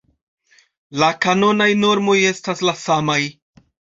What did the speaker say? La kanonaj normoj estas la samaj.